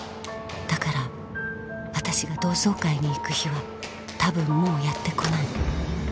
だから私が同窓会に行く日はたぶんもうやって来ない